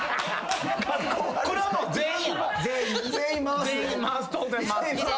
これはもう全員やから。